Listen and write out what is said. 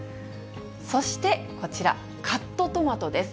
そしてこちら、カットトマトです。